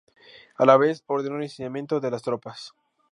A la vez, ordenó el licenciamiento de las tropas.